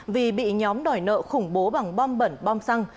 vì bị nhóm đòi nợ khủng bố bằng bom bẩn bom xăng